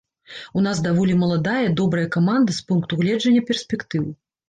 У нас даволі маладая, добрая каманда з пункту гледжання перспектыў.